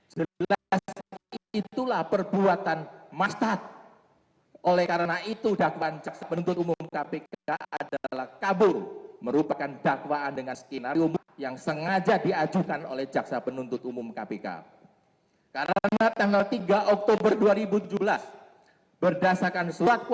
selain itu kami tidak akan menghambat penghantaran